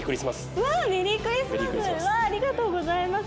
うわあありがとうございます。